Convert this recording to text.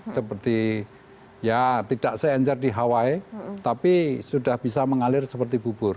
seperti ya tidak senger di hawaii tapi sudah bisa mengalir seperti bubur